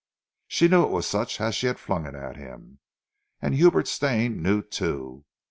She knew it was such as she had flung it at him; and Hubert Stane knew too.